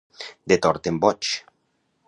De tort en boig.